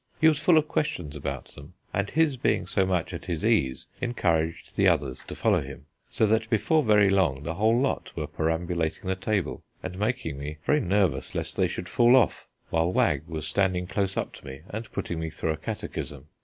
He was full of questions about them, and his being so much at his ease encouraged the others to follow him, so that before very long the whole lot were perambulating the table and making me very nervous lest they should fall off, while Wag was standing close up to me and putting me through a catechism.